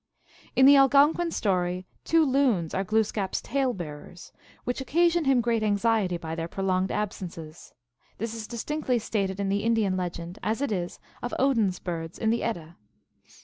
In the Algonquin story, two Loons are Glooskap s " tale bearers," which occasion him great anxiety by their prolonged absences. This is distinctly stated in the Indian legend, as it is of Odin s birds in the Edda.